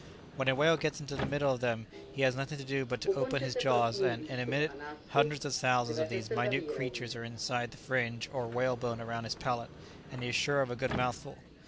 "When a whale gets into the middle of them he has nothing to do but to open his jaws, and, in a minute, hundreds of thousands of these minute creatures are inside the fringe or whalebone around his palate, and he is sure of a good mouthful."